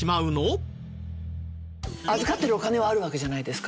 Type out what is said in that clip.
預かってるお金はあるわけじゃないですか